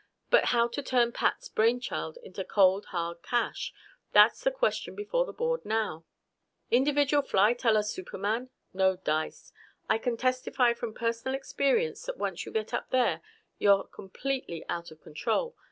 But how to turn Pat's brainchild into cold, hard cash that's the question before the board now. "Individual flight a la Superman? No dice. I can testify from personal experience that once you get up there you're completely out of control.